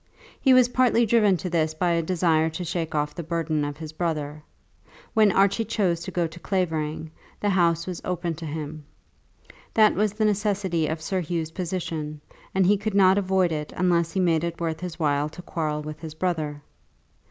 He was partly driven to this by a desire to shake off the burden of his brother. When Archie chose to go to Clavering the house was open to him. That was the necessity of Sir Hugh's position, and he could not avoid it unless he made it worth his while to quarrel with his brother.